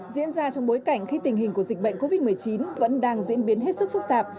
diễn ra trong bối cảnh khi tình hình của dịch bệnh covid một mươi chín vẫn đang diễn biến hết sức phức tạp